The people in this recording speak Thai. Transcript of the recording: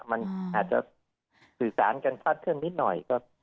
มันอาจจะสื่อสารกันพัดขึ้นนิดหน่อย